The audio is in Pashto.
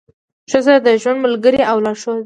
ښځه د ژوند ملګرې او لارښوده ده.